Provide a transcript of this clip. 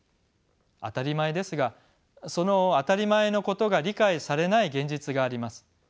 当たり前ですがその当たり前のことが理解されない現実があります。